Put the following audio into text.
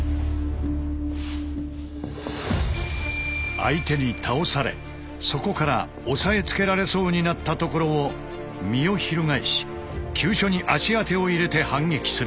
相手に倒されそこから抑えつけられそうになったところを身を翻し急所に足当てを入れて反撃する。